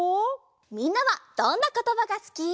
みんなはどんなことばがすき？